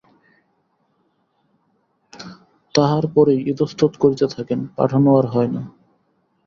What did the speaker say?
তাহার পরেই ইতস্তত করিতে থাকেন, পাঠানো আর হয় না।